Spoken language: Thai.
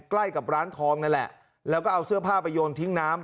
ใกล้กับร้านทองนั่นแหละแล้วก็เอาเสื้อผ้าไปโยนทิ้งน้ำ